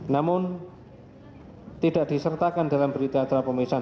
namun tidak disertakan dalam berita acara pemeriksaan